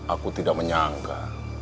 aku tidak menyangka